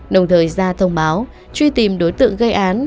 đồng thời ra thông báo truy tìm đối tượng gây án